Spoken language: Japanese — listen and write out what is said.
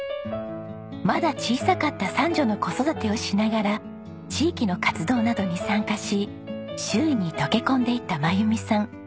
まだ小さかった三女の子育てをしながら地域の活動などに参加し周囲に溶け込んでいった真由美さん。